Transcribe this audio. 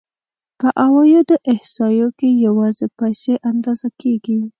په عوایدو احصایو کې یوازې پیسې اندازه کېږي